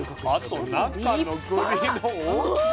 あと中のくりの大きさ。